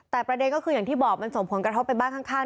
แต่ประเด็นก็คืออย่างที่บอกมันส่งผลกระทบไปบ้านข้าง